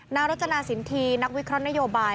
รจนาสินทีนักวิเคราะห์นโยบาย